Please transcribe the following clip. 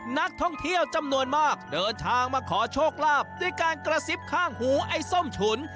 นักท่องเที่ยวจำนวนมากเดินทางมาขอโชคลาภด้วยการกระซิบข้างหูไอ้ส้มฉุน